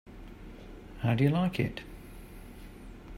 How do you like it?